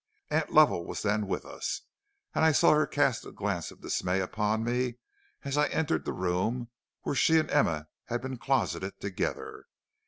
Aunt Lovell was then with us, and I saw her cast a glance of dismay upon me as I entered the room where she and Emma had been closeted together.